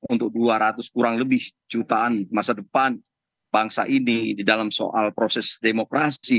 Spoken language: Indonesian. untuk dua ratus kurang lebih jutaan masa depan bangsa ini di dalam soal proses demokrasi